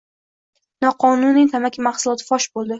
Noqonuniy tamaki mahsuloti fosh bo‘ldi